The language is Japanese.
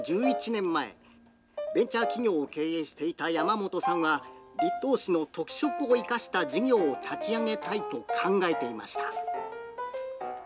１１年前、ベンチャー企業を経営していた山本さんは、栗東市の特色を生かした事業を立ち上げたいと考えていました。